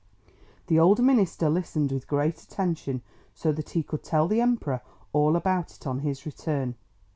The old minister listened with great attention, so that he could tell the Emperor all about it on his return.